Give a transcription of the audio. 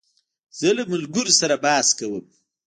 زه له ملګرو سره بحث کوم.